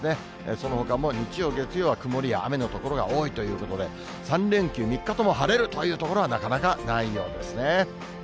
そのほかも日曜、月曜は曇りや雨の所が多いということで、３連休３日とも晴れるという所はなかなかないようですね。